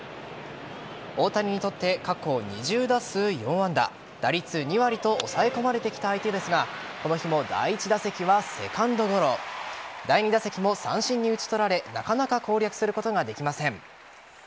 大谷にとって過去２０打数４安打打率２割と抑え込まれてきた相手ですがこの日も第１打席はセカンドゴロ第２打席も三振に打ち取られなかなか攻略することができません。